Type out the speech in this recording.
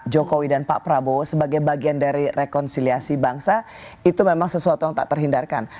jokowi dan pak prabowo sebagai bagian dari rekonsiliasi bangsa itu memang sesuatu yang tak terhindarkan